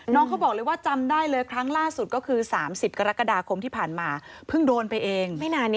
น้องเขาบอกเลยว่าจำได้เลยครั้งล่าสุดก็คือ๓๐กรกฎาคมที่ผ่านมาเพิ่งโดนไปเอง